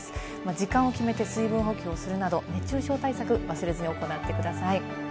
時間を決めて水分補給をするなど、熱中症対策を忘れずに行ってください。